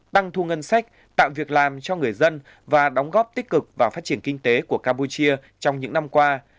tăng thu ngân sách tạo việc làm cho người dân và đóng góp tích cực vào phát triển kinh tế của campuchia trong những năm qua